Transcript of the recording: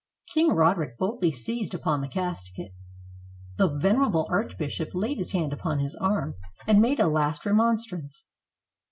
King Roderick boldly seized upon the casket. The venerable archbishop laid his hand upon his arm, and made a last remonstrance.